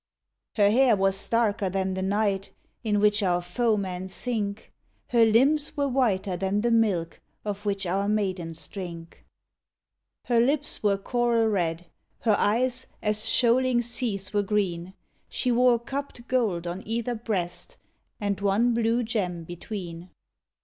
Her hair was darker than the night In which our foemen sink; Her limbs were whiter than the milk Of which our maidens drink. THE WITCH Her lips were coral red; her eyes As shoaling seas were green. She wore cupped gold on either breast And one blue gem between.